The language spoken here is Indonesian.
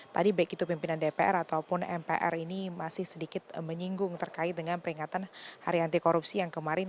tadi baik itu pimpinan dpr ataupun mpr ini masih sedikit menyinggung terkait dengan peringatan hari anti korupsi yang kemarin